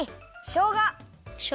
しょうが。